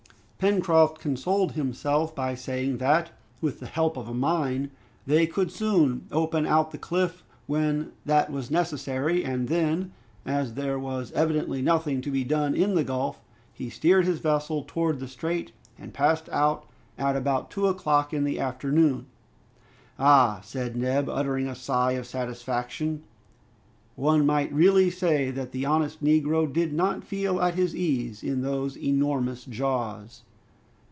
Pencroft consoled himself by saying that with the help of a mine they could soon open out the cliff when that was necessary, and then, as there was evidently nothing to be done in the gulf, he steered his vessel towards the strait and passed out at about two o'clock in the afternoon. "Ah!" said Neb, uttering a sigh of satisfaction. One might really say that the honest Negro did not feel at his ease in those enormous jaws.